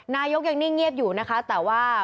นายกยังนิ่งเงียบอยู่นะคะแต่ว่า